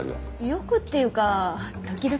よくっていうか時々？